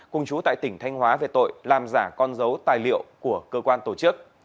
cùng chú tại tỉnh thanh hóa về tội làm giả con dấu tài liệu của cơ quan tổ chức